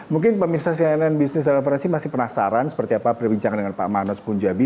mungkin pemirsa cnn business referensi masih penasaran seperti apa perbincangan dengan pak manos punjabi